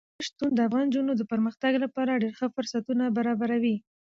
سمندر نه شتون د افغان نجونو د پرمختګ لپاره ډېر ښه فرصتونه برابروي.